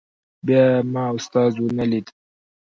بیا ما استاد ونه لید.